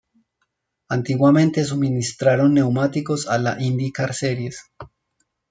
Antiguamente suministraron neumáticos a la Indycar Series.